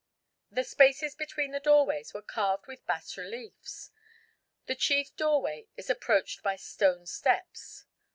The spaces between the doorways were carved with bas reliefs. The chief doorway is approached by stone steps.